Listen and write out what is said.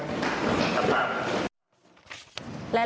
ครับครับ